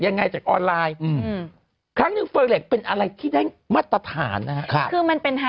อึกอึกอึกอึกอึกอึกอึกอึกอึกอึก